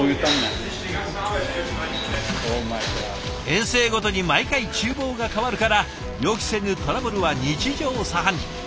遠征ごとに毎回ちゅう房が変わるから予期せぬトラブルは日常茶飯事。